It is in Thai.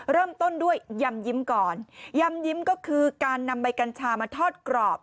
เริ่มต้นด้วยยำยิ้มก่อนยำยิ้มก็คือการนำใบกัญชามาทอดกรอบ